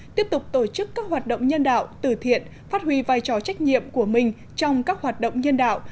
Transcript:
tiếp tục tổ chức các hoạt động nhân đạo tử thiện phát huy vai trò trách nhiệm của mình trong các hoạt động nhân đạo